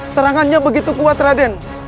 serangannya begitu kuat raden